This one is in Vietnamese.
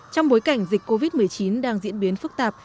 trong bối cảnh dịch covid một mươi chín đang diễn biến phức tạp